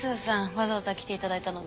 わざわざ来ていただいたのに。